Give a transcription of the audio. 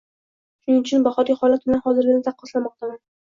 Shuning uchun bahorgi holat bilan hozirgisini taqqoslamoqdaman.